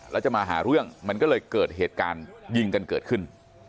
แล้วจะมาหาเรื่องมันก็เลยเกิดเหตุการณ์ยิงกันเกิดขึ้น